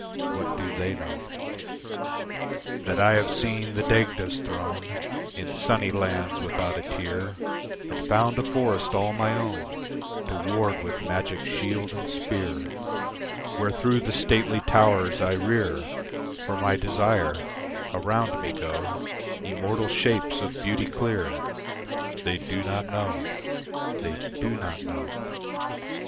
What do they know? That I have seen the Dagda's throne In sunny lands without a tear And found a forest all my own To ward with magic shield and spear, Where, through the stately towers I rear For my desire, around me go Immortal shapes of beauty clear: They do not know, they do not know.